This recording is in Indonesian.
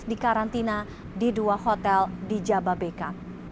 positif dikarantina di dua hotel di jababeka